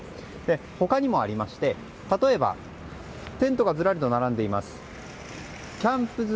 他にもありまして、例えばテントがずらりと並んでいます。